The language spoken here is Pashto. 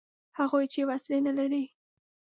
هغوی چې وسلې نه لري.